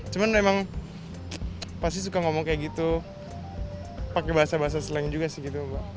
cuman emang pasti suka ngomong kayak gitu pakai bahasa bahasa slang juga sih gitu